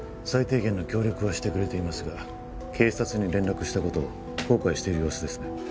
最低限の協力はしてくれていますが警察に連絡したことを後悔している様子ですね